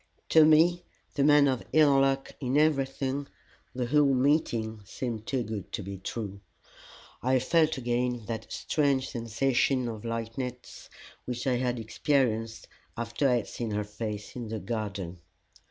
To me, the man of ill luck in everything, the whole meeting seemed too good to be true. I felt again that strange sensation of lightness which I had experienced after I had seen her face in the garden.